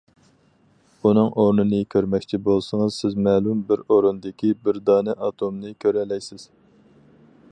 ئۇنىڭ ئورنىنى كۆرمەكچى بولسىڭىز، سىز مەلۇم بىر ئورۇندىكى بىر دانە ئاتومنى كۆرەلەيسىز.